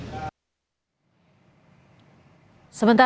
sementara ini pdi perjuangan hasto menunggu